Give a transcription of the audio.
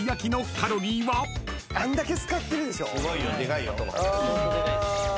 あんだけ使ってるでしょ。